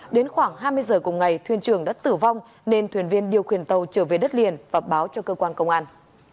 đến khoảng hai mươi giờ cùng ngày thuyền trường đã tử vong nên thuyền viên điều khiển tàu trở về đất liền và báo cho cơ quan công an